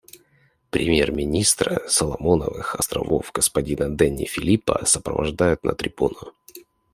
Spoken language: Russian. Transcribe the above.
Премьер-министра Соломоновых Островов господина Дэнни Филипа сопровождают на трибуну.